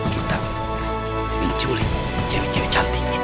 kita minculin cewek cewek cantiknya